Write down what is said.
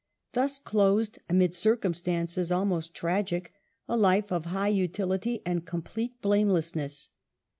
Thus closed, amid circumstances almost tragic, a life of high utility and complete blamelessness.